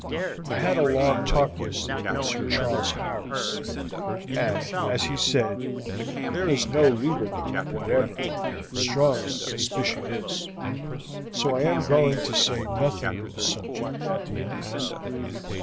I had a long talk yesterday with Sir Charles Harris, and, as he said, there is no legal proof whatever, strong as the suspicion is; so I am going to say nothing on the subject at the inquest.